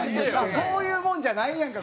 そういうもんじゃないやんか。